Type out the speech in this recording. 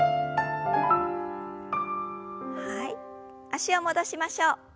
脚を戻しましょう。